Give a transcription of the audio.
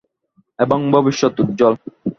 এবং ভবিষ্যত উজ্জ্বল।